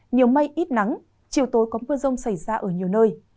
nhiều mây ít nắng chiều tối có mưa rông xảy ra ở nhiều nơi